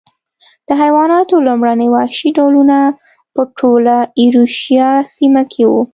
د حیواناتو لومړني وحشي ډولونه په ټوله ایرویشیا سیمه کې و.